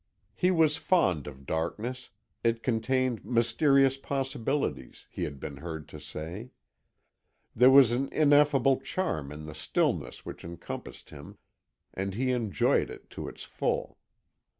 He was fond of darkness; it contained mysterious possibilities, he had been heard to say. There was an ineffable charm in the stillness which encompassed him, and he enjoyed it to its full.